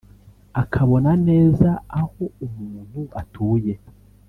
akabona neza aho umuntu atuye